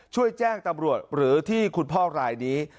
ช่วยแจ้งตำรวจหรือที่คุณพ่อรายนี้